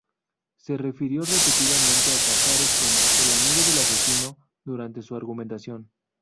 Se refirió repetidamente a Cazares como "el amigo del asesino" durante su argumentación.